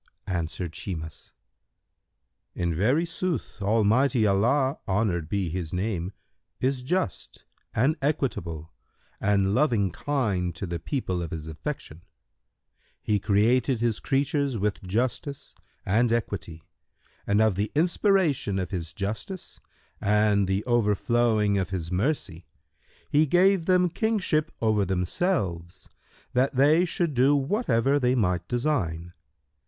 Answered Shimas, "In very sooth Almighty Allah (honoured be His name!) is just and equitable and loving kind to the people of His affection.[FN#129] He created His creatures with justice and equity and of the inspiration of His justice and the overflowing of His mercy, He gave them kingship over themselves, that they should do whatever they might design.